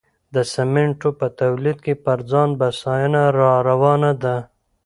د سمنټو په تولید کې پر ځان بسیاینه راروانه ده.